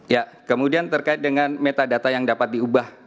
ya kemudian terkait dengan metadata yang dapat diubah